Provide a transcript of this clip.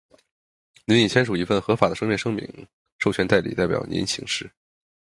您已签署一份合法的书面声明，授权代理代表您行事。